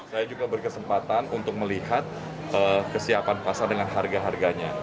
saya juga berkesempatan untuk melihat kesiapan pasar dengan harga harganya